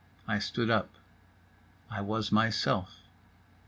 I stood up. I was myself.